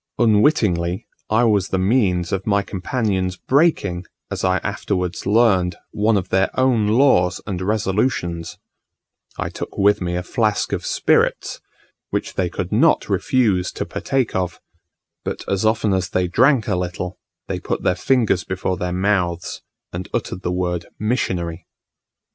Unwittingly, I was the means of my companions breaking, as I afterwards learned, one of their own laws, and resolutions: I took with me a flask of spirits, which they could not refuse to partake of; but as often as they drank a little, they put their fingers before their mouths, and uttered the word "Missionary."